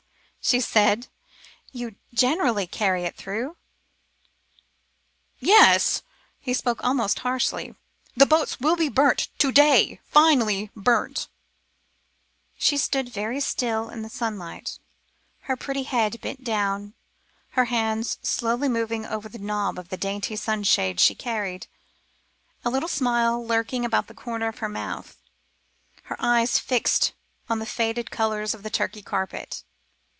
she said. "You generally carry it through?" "Yes," he spoke almost harshly. "The boats will be burnt to day finally burnt." She stood very still in the sunlight, her pretty head bent down, her hands slowly moving over the knob of the dainty sunshade she carried, a little smile lurking about the corners of her mouth; her eyes fixed on the faded colours of the Turkey carpet.